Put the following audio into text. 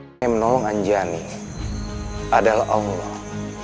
saya menolong anjani adalah allah